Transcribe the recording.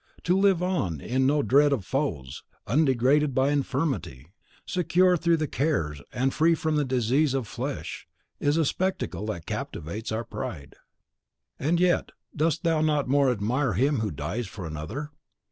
To live on in no dread of foes, undegraded by infirmity, secure through the cares, and free from the disease of flesh, is a spectacle that captivates our pride. And yet dost thou not more admire him who dies for another?